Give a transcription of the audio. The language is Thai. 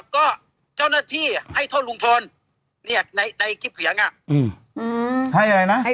ขึ้นไปทำไม